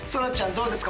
どうですか？